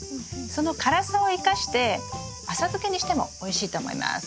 その辛さを生かして浅漬けにしてもおいしいと思います。